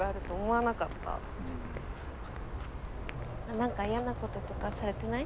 何か嫌なこととかされてない？